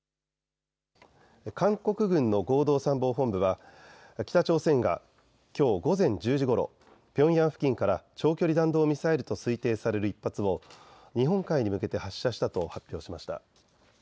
韓国軍の合同参謀本部は北朝鮮がきょう午前１０時ごろ、ピョンヤン付近から長距離弾道ミサイルと推定される１発を日本海に向けて発射したと発表しました。